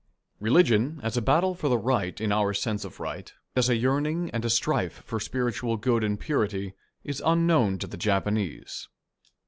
Religion, as a battle for the right in our sense of right, as a yearning and a strife for spiritual good and purity, is unknown to the Japanese.